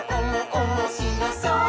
おもしろそう！」